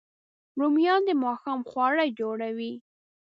رومیان د ماښام خواړه جوړوي